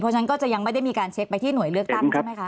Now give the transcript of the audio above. เพราะฉะนั้นก็จะยังไม่ได้มีการเช็คไปที่หน่วยเลือกตั้งใช่ไหมคะ